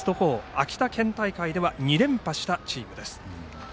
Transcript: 秋田県大会では２連覇したチームです。